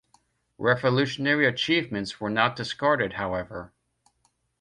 Revolutionary achievements were not discarded, however.